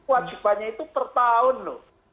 kewajibannya itu per tahun loh